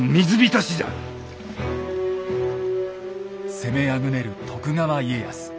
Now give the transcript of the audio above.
攻めあぐねる徳川家康。